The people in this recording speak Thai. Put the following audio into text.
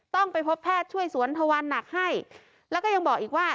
ต้องไปพบแพทย์ช่วยสวนทวันหนักให้แล้วก็ยังบอกอีกว่า